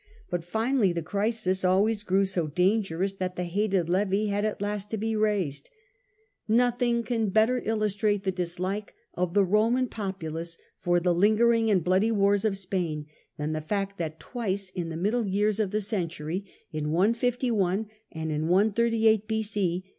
But finally, the crisis always grew so dangerous that the hated levy had at last to be raised. Nothing can better illustrate the dislike of the Roman populace for the lingering and bloody wars of Spain, than the fact that twice in the middle years of the century (in 15 1 and in 138 B.c.)